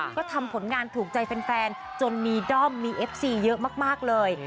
ก็ทำผลงานถูกใจแฟนจนมีด้อมมีเอฟซีเยอะมากเลย